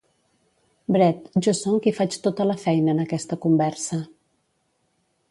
Bret, jo són qui faig tota la feina en aquesta conversa.